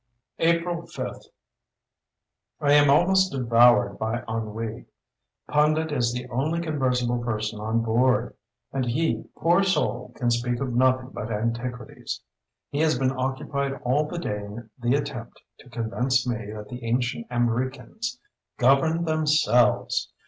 April 5.—I am almost devoured by ennui. Pundit is the only conversible person on board; and he, poor soul! can speak of nothing but antiquities. He has been occupied all the day in the attempt to convince me that the ancient Amriccans governed themselves!